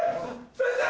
先生！